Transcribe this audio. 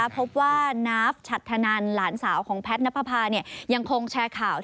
พบว่านาฟฉัษฐนันหลานสาวแพทนนะพ่าร์ยังคงแชร์ข่าว